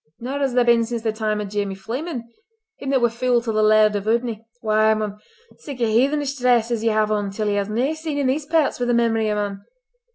Nor has there been since the time o' Jamie Fleeman—him that was fule to the Laird o' Udny. Why, mon! sic a heathenish dress as ye have on till ye has nae been seen in these pairts within the memory o' mon.